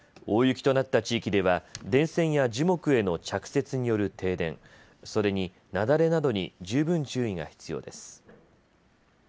大雪となった地域では電線や樹木への着雪による停電、それに雪崩などに十分注意が必要です。